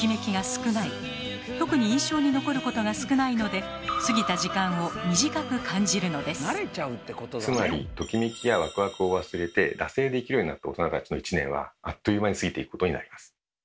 特に印象に残ることが少ないのでつまりトキメキやワクワクを忘れて惰性で生きるようになった大人たちの１年はあっという間に過ぎていくことになります。